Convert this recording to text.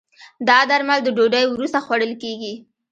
دا درمل د ډوډی وروسته خوړل کېږي.